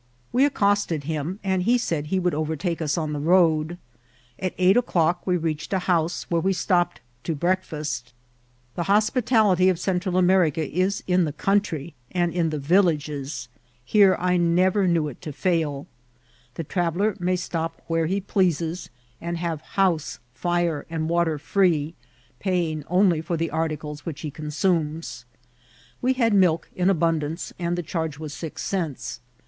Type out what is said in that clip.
We accosted him, and h^ said that he would overtake us on the road. At eight o'clock we reached a house, where we stopped to breakfiost The hospitality of Central America is in the country and in the villages; here I never knew CENTRAL AlfBRICAN HOSPITALITY. 421 it to fail. The traveller may stop where he pleases, and have house, fire, and water firee, paying only for the articles which he consumes. We had milk in abundance, and the charge was six cents.